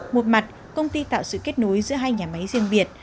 một mặt công ty tạo sự kết nối giữa hai nhà máy riêng biệt